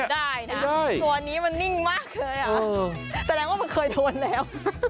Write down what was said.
ได้นะตัวนี้มันนิ่งมากเลยเหรอแสดงว่ามันเคยโดนแล้ว